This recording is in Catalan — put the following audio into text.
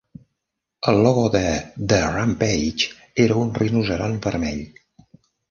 El logo de The Rampage era un rinoceront vermell.